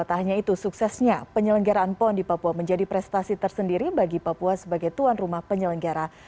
tak hanya itu suksesnya penyelenggaraan pon di papua menjadi prestasi tersendiri bagi papua sebagai tuan rumah penyelenggara